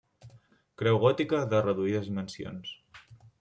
Creu gòtica de reduïdes dimensions.